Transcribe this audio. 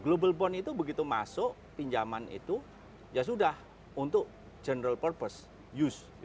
global bond itu begitu masuk pinjaman itu ya sudah untuk general purpose use